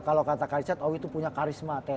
kalo kata kak icat owi tuh punya karisma